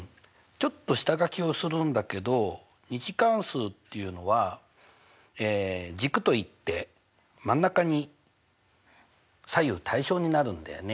ちょっと下がきをするんだけど２次関数っていうのは軸といって真ん中に左右対称になるんだよね。